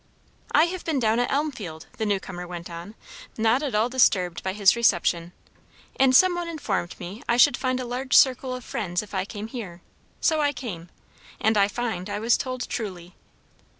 "I have been down at Elmfield," the new comer went on, not at all disturbed by his reception; "and some one informed me I should find a large circle of friends if I came here; so I came. And I find I was told truly."